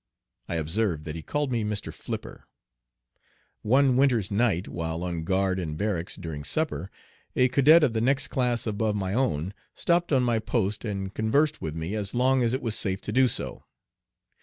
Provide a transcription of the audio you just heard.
I observed that he called me "Mr. Flipper." One winter's night, while on guard in barracks during supper, a cadet of the next class above my own stopped on my post and conversed with me as long as it was safe to do so.